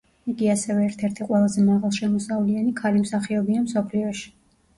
იგი ასევე ერთ-ერთი ყველაზე მაღალშემოსავლიანი ქალი მსახიობია მსოფლიოში.